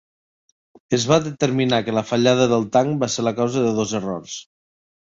Es va determinar que la fallada del tanc va ser a causa de dos errors.